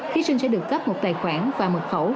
thí sinh sẽ được cấp một tài khoản và mật khẩu